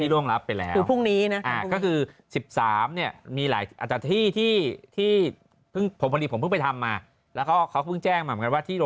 เริ่มเป็นเลยเนี่ย